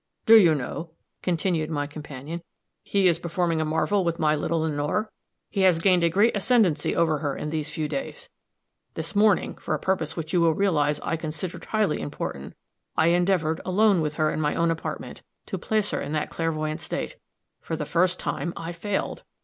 "Do you know," continued my companion, "he is performing a marvel with my little Lenore? He has gained a great ascendancy over her in these few days. This morning, for a purpose which you will realize I considered highly important, I endeavored, alone with her in my own apartment, to place her in the clairvoyant state. For the first time, I failed.